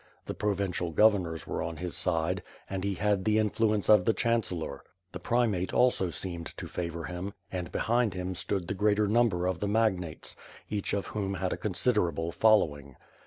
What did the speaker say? The provincial governors were on his side, and he had the influence of the chancellor. The Primate also seemed to favor him, and behind him stoou the greater number of the magnates, each of whom had a considerable following.